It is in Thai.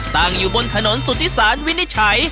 ตั้งอยู่บนถนนสุธิสารวินิจฉัย